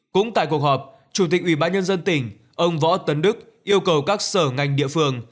cũng tại cuộc họp chủ tịch ubnd tỉnh ông võ tấn đức yêu cầu các sở ngành địa phương